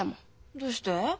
どうして？